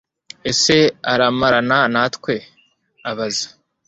ese aramarana natwe? abaza